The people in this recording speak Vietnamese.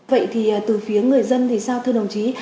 vậy thì từ phía người dân thì sao thưa đồng chí